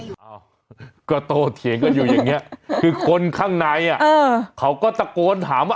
พวกตัวเขียนก็อยู่อย่างนี้คืองนข้างในอ่ะเขาก็ตะโกนถามว่า